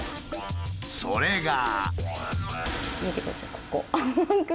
それが。